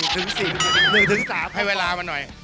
๑ถึง๔๑ถึง๓ให้เวลามาหน่อย